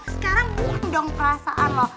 sekarang liat dong perasaan lo